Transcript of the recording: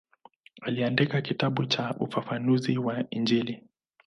Aliandika kitabu cha ufafanuzi wa Injili.